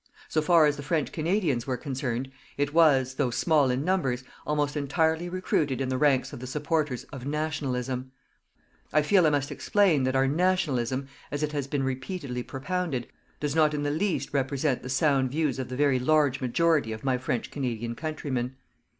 So far as the French Canadians were concerned, it was, though small in numbers, almost entirely recruited in the ranks of the supporters of "Nationalism." I feel I must explain that our "Nationalism," as it has been repeatedly propounded, does not in the least represent the sound views of the very large majority of my French Canadian countrymen.